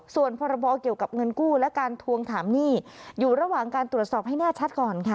ส่วนพรบเกี่ยวกับเงินกู้และการทวงถามหนี้อยู่ระหว่างการตรวจสอบให้แน่ชัดก่อนค่ะ